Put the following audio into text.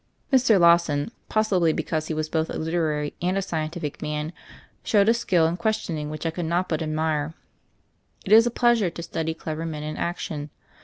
Mr. Law son, possibly because he was both a literary and a scientific man, showed a skill in questioning which I could not but admire. It is a pleasure to study clever men in action.